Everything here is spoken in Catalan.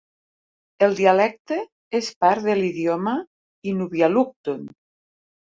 El dialecte és part de l'idioma inuvialuktun.